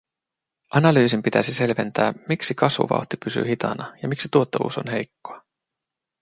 Analyysin pitäisi selventää, miksi kasvuvauhti pysyy hitaana ja miksi tuottavuus on heikkoa.